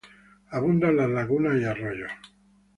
Abundan las lagunas y arroyos.